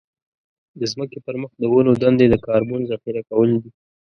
د ځمکې پر مخ د ونو دندې د کاربن ذخيره کول دي.